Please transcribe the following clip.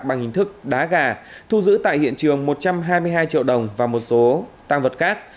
bằng hình thức đá gà thu giữ tại hiện trường một trăm hai mươi hai triệu đồng và một số tăng vật khác